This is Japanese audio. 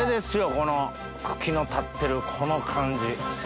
この茎の立ってるこの感じ。